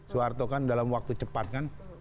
soeharto kan dalam waktu cepat kan